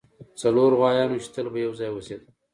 څلور غوایان وو چې تل به یو ځای اوسیدل.